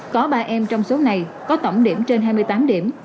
có ba em trong số này có tổng điểm trên hai mươi tám điểm